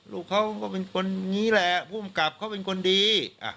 ลูกเขาก็เป็นคนอย่างนี้แหละภูมิกับเขาเป็นคนดี